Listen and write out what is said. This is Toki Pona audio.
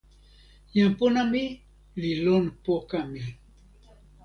jan pona mi li lon poka mi.